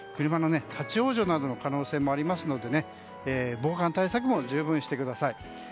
車の立往生などの可能性もありますので防寒対策も十分してください。